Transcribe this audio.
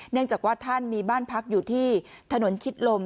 เนื่องจากว่าท่านมีบ้านพักอยู่ที่ถนนชิดลม